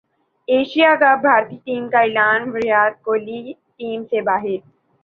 Asia cup بھارتی team کا اعلان ویرات کوہلی ٹیم سے باہر